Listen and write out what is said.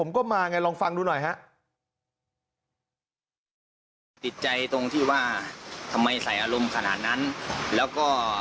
มีแต่ใส่แบบเต็มระบบใส่แบบว่าเต็มที่เลยก็เลยว่างงว่ามันผิดขนาดนั้นเลยเหรอ